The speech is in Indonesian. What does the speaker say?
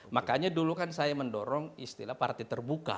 makanya dulu kan saya mendorong istilah partai terbuka